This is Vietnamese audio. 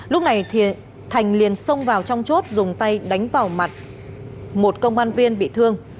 lúc này thành liền xông vào trong chốt dùng tay đánh vào mặt một công an viên bị thương